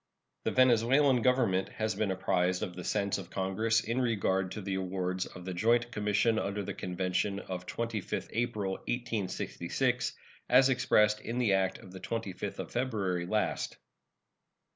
The Venezuelan Government has been apprised of the sense of Congress in regard to the awards of the joint commission under the convention of 25th April, 1866, as expressed in the act of the 25th of February last.